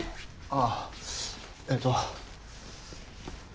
ああえっと。